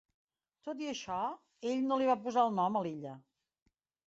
Tot i això, ell no li va posar el nom a l'illa.